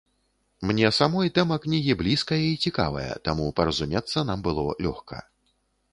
Мне самой тэма кнігі блізкая і цікавая, таму паразумецца нам было лёгка.